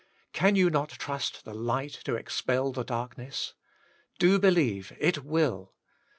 Can you not trust the light to expel the darkness 1 Do believe it will.